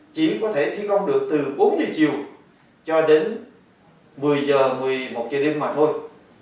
chỉ có thể thi công được từ bốn giờ chiều cho đến một mươi h một mươi một giờ đêm mà thôi